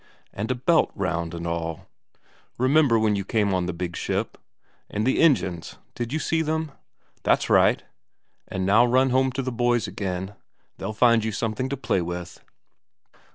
And a belt round and all. Remember when you came on the big ship? And the engines did you see them? That's right and now run home to the boys again, they'll find you something to play with."